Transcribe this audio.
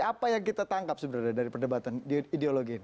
apa yang kita tangkap sebenarnya dari perdebatan ideologi ini